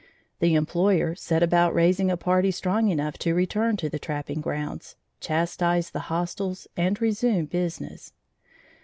The employer set about raising a party strong enough to return to the trapping grounds, chastise the hostiles and resume business.